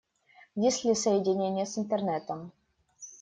Есть ли соединение с Интернетом?